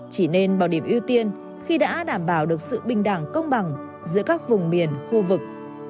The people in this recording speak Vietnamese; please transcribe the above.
chỉ nên bảo điểm ưu tiên khi đã đảm bảo được sự bình đẳng công bằng giữa các vùng miền khu vực